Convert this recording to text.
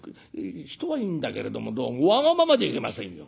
人はいいんだけれどもどうもわがままでいけませんよ。